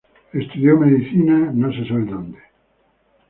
Estudió medicina en el St.